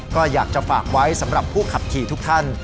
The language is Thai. ก็อยากจะฝากไว้สำหรับผู้ขับขี่ทุกท่าน